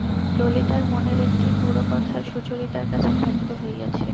ললিতার মনের একটি গূঢ় কথা সুচরিতার কাছে ব্যক্ত হইয়াছে।